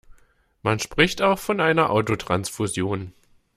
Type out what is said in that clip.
Man spricht auch von einer Autotransfusion.